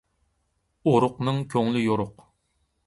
ئورۇقنىڭ كۆڭلى يورۇق.